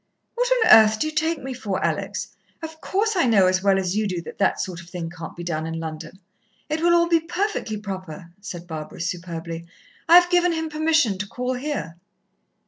"What on earth do you take me for, Alex? Of course, I know as well as you do that that sort of thing can't be done in London. It will all be perfectly proper," said Barbara superbly. "I have given him permission to call here."